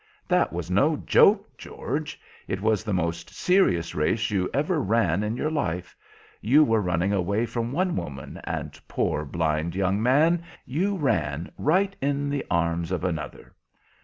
"That was no joke, George. It was the most serious race you ever ran in your life. You were running away from one woman, and, poor blind young man, you ran right in the arms of another.